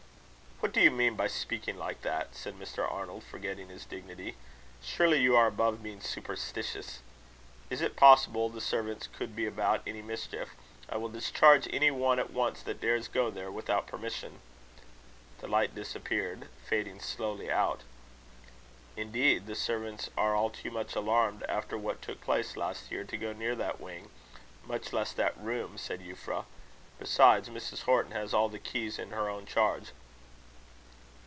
"What do you mean by speaking like that?" said Mr. Arnold, forgetting his dignity. "Surely you are above being superstitious. Is it possible the servants could be about any mischief? I will discharge any one at once, that dares go there without permission." The light disappeared, fading slowly out. "Indeed, the servants are all too much alarmed, after what took place last year, to go near that wing much less that room," said Euphra. "Besides, Mrs. Horton has all the keys in her own charge."